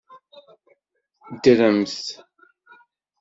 Ddremt!